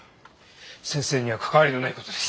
先生には関わりのない事です。